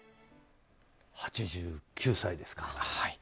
８９歳ですか。